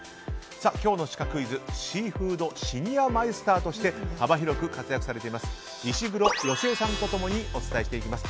今日のシカクイズはシーフードシニアマイスターとして幅広く活躍されています石黒美江さんと共にお伝えしていきます。